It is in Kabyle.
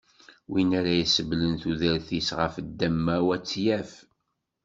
Win ara isebblen tudert-is ɣef ddemma-w, ad tt-yaf.